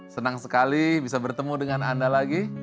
senang sekali bisa bertemu dengan anda lagi